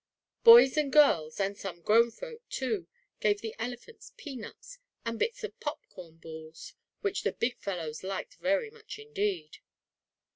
Boys and girls, and some grown folk, too, gave the elephants peanuts and bits of popcorn balls which the big fellows liked very much, indeed.